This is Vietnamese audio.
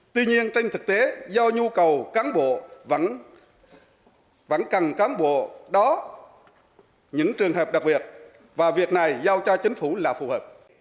tuy nhiên trên thực tế do nhu cầu cán bộ vẫn cần cán bộ đó những trường hợp đặc biệt và việc này giao cho chính phủ là phù hợp